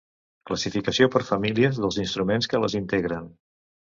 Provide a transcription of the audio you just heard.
Classificació per famílies dels instruments que les integren.